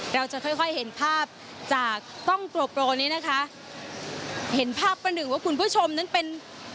เราจะค่อยค่อยเห็นภาพจากกล้องโกโปรนี้นะคะเห็นภาพประหนึ่งว่าคุณผู้ชมนั้นเป็น